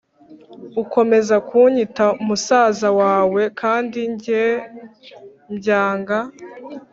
Ukomeza kunyita musaza wawe kandi njye mbyanga